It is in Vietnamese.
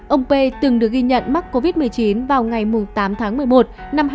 ông p từng được ghi nhận mắc covid một mươi chín vào ngày tám tháng một mươi một năm hai nghìn hai mươi